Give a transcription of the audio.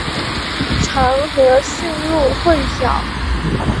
常和驯鹿混淆。